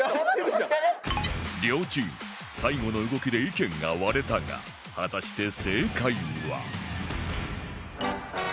両チーム最後の動きで意見が割れたが果たして正解は